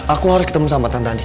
aku hari ketemu sama tante andis